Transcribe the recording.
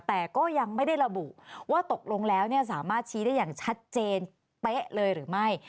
แต่ก็ยังไม่ได้ระบุว่าตกลงแล้วสามารถชี้ได้อย่างชัดเจนเป๊ะเลยหรือไม่